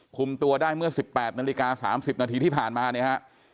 คุมตัวได้เมื่อ๑๘นาฬิกา๓๐นาทีที่ผ่านมาเนี่ยฮะ